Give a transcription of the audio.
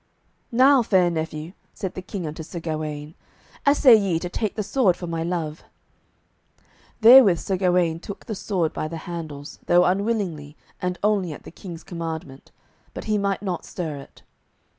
"Now, fair nephew," said the King unto Sir Gawaine, "assay ye to take the sword for my love." Therewith Sir Gawaine took the sword by the handles, though unwillingly and only at the King's commandment, but he might not stir it.